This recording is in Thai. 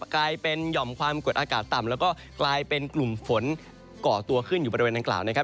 กลายเป็นหย่อมความกดอากาศต่ำแล้วก็กลายเป็นกลุ่มฝนก่อตัวขึ้นอยู่บริเวณดังกล่าวนะครับ